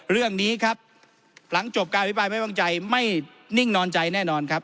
เรื่องนี้ครับหลังจบการอภิปรายไม่วางใจไม่นิ่งนอนใจแน่นอนครับ